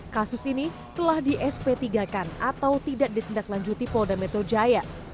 kasus ini telah di sp tiga kan atau tidak ditindaklanjuti polda metro jaya